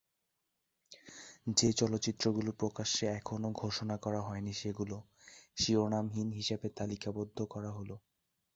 যে চলচ্চিত্রগুলো প্রকাশ্যে এখনও ঘোষণা করা হয়নি সেগুলো "শিরোনামহীন" হিসাবে তালিকাবদ্ধ করা হলো।